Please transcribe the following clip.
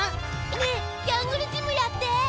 ねえジャングルジムやって！